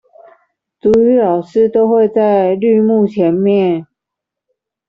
族語老師都會在綠幕前面